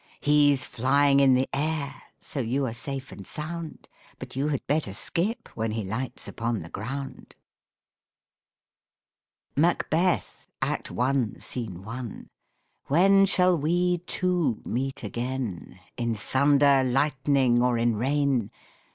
He's flying in the air, So you are safe and sound; But you had better skip When he lights upon the ground. MACBETH Act I, Scene I. "When shall we 'two' meet again In thunder, lightning, or in rain?"